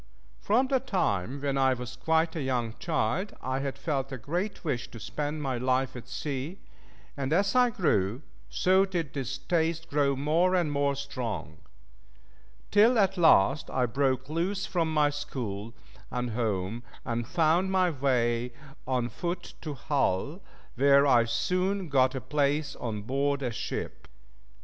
From the time when I was quite a young child, I had felt a great wish to spend my life at sea, and as I grew, so did this taste grow more and more strong; till at last I broke loose from my school and home, and found my way on foot to Hull, where I soon got a place on board a ship.